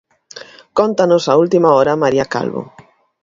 Cóntanos a última hora María Calvo.